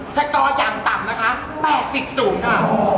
สกอร์อย่างต่ำนะคะ๘๐ค่ะ